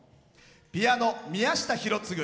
ピアノ、宮下博次。